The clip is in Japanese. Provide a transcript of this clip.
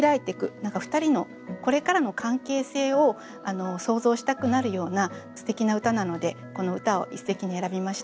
２人のこれからの関係性を想像したくなるようなすてきな歌なのでこの歌を一席に選びました。